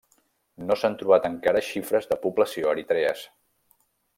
No s'han trobat encara xifres de població eritrees.